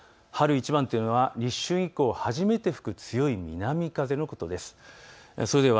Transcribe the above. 春一番というのは立春以降初めて吹く強い南風のことです。